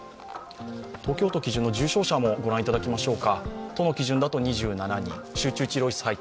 東京都基準の重症者も御覧いただきましょう。